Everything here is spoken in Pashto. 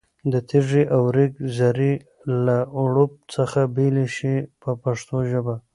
د تېږې او ریګ ذرې له اړوب څخه بېلې شي په پښتو ژبه.